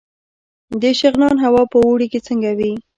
د شغنان هوا په اوړي کې څنګه وي؟